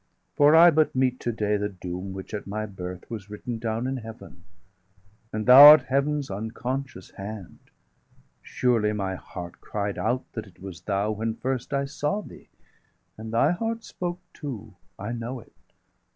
for I but meet to day The doom which at my birth was written down In Heaven, and thou art Heaven's unconscious hand.° °710 Surely my heart cried out that it was thou, When first I saw thee; and thy heart spoke too, I know it!